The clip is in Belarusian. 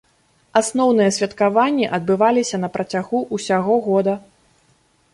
Асноўныя святкаванні адбываліся на працягу ўсяго года.